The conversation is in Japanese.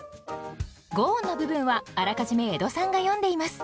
五音の部分はあらかじめ江戸さんが詠んでいます。